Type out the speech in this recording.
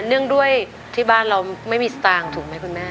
เนื่องด้วยที่บ้านเราไม่มีสตางค์ถูกไหมคุณแม่